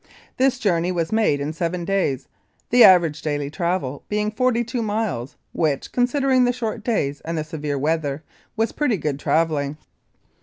This journey was made in seven days, the average daily travel being forty two miles, which, considering the short days and the severe weather, was pretty good travelling.